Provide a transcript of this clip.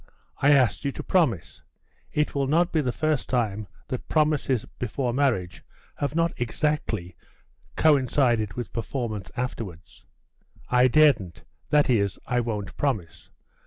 'I asked you to promise. It will not be the first time that promises before marriage have not exactly coincided with performance afterwards.' 'I daren't that is, I won't promise.